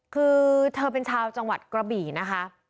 คือเธอเป็นชาวจังหวัดกระบี่นะคะ